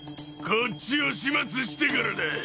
こっちを始末してからだ。